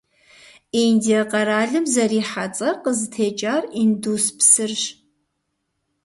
Индие къэралым зэрихьэ цӀэр къызытекӀар Индус псырщ.